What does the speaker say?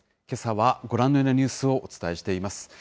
けさはご覧のようなニュースをお伝えしています。